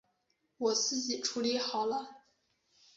我自己处理好了